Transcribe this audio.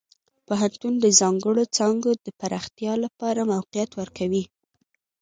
پوهنتون د ځانګړو څانګو د پراختیا لپاره موقعیت ورکوي.